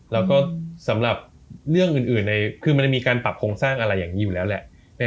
แล้วก็สำหรับคุณมีการปรับโครงสร้างอะไรอยู่แล้วแหละ